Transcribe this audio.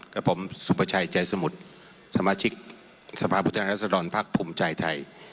กระป๋มสู่ทรัพย์ชายใจสมุทรสมาชิกสรรพธรรมรัฐสดรภัคภูมิใจไทย